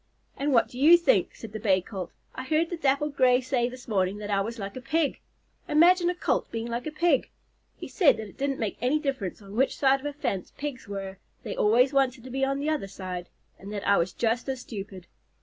"And what do you think?" said the Bay Colt. "I heard the Dappled Gray say this morning that I was like a Pig! Imagine a Colt being like a Pig! He said that it didn't make any difference on which side of a fence Pigs were, they always wanted to be on the other side, and that I was just as stupid."